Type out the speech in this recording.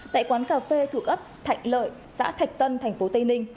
tại quán cà phê thuộc ấp thạnh lợi xã thạch tân thành phố tây ninh